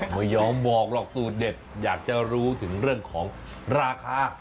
ไม่ยอมบอกหรอกสูตรเด็ดอยากจะรู้ถึงเรื่องของราคา